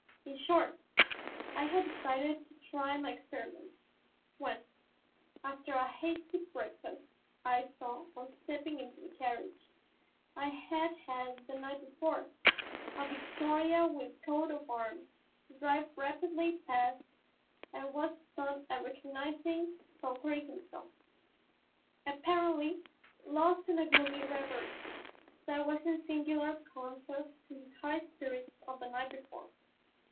In short, I had decided to try my experiment, when, after a hasty breakfast, I saw, on stepping into the carriage I had had the night before, a victoria with coat of arms drive rapidly past and was stunned at recognizing Fauchery himself, apparently lost in a gloomy revery that was in singular contrast to his high spirits of the night before.